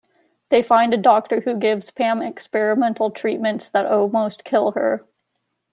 They find a doctor who gives Pam experimental treatments that almost kill her.